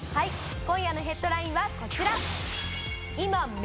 今夜のヘッドラインはこちら。